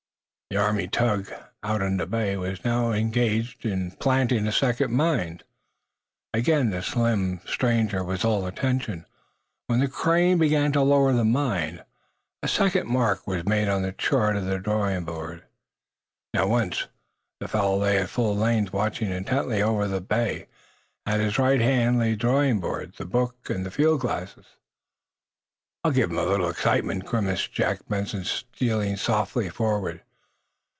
The Army tug, out on the bay, was now engaged in planting a second mine. Again the slim stranger was all attention. When the crane began to lower the mine, a second mark was made on the chart on the drawing board. Now, once more, the fellow lay at full length, watching intently off over the bay. At his right hand lay drawing board, the book and the field glasses. "I'll give him a little excitement!" grimaced Jack Benson, stealing softly forward.